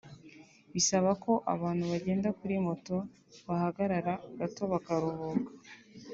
bisaba ko abantu bagenda kuri moto bahagarara gato bakaruhuka